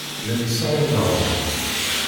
Llan ssaɣen-d aɣrum.